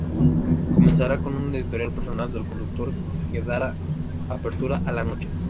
Comenzará con una editorial personal del conductor, que dará apertura a la noche.